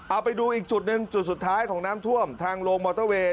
เอาไปดูอีกจุดหนึ่งจุดสุดท้ายของน้ำท่วมทางโรงมอเตอร์เวย์